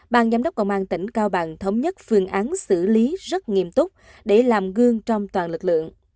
ban giám đốc công an tỉnh cao bằng thống nhất phương án xử lý rất nghiêm túc để làm gương trong toàn lực lượng